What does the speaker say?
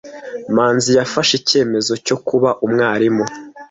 Manzi yafashe icyemezo cyo kuba umwarimu.